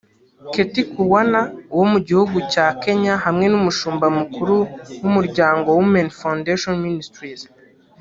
Kathy Kiuna wo mu gihugu cya Kenya hamwe n’Umushumba Mukuru w’Umuryango Women Foundation Ministries